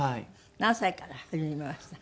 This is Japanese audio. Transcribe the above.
何歳から始めました？